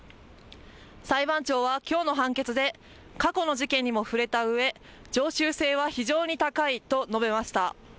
裁判長はきょうの判決で過去の事件にも触れたうえ常習性は非常に高いと述べました。